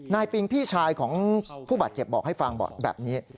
ปิงพี่ชายของผู้บาดเจ็บบอกให้ฟังบอกแบบนี้